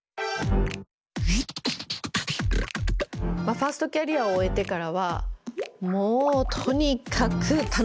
ファーストキャリアを終えてからはもうとにかく楽しかったです。